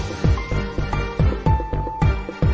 กินโทษส่องแล้วอย่างนี้ก็ได้